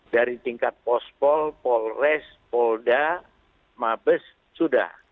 dari tingkat pospol polres polda mabes sudah